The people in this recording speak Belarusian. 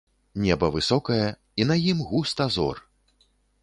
Неба высокае, і на ім густа зор.